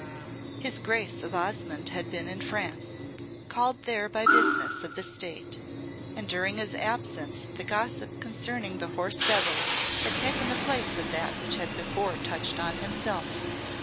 His Grace of Osmonde had been in France, called there by business of the State, and during his absence the gossip concerning the horse Devil had taken the place of that which had before touched on himself.